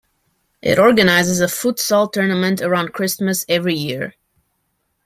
It organizes a futsal tournament around Christmas every year.